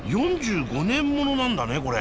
４５年ものなんだねこれ。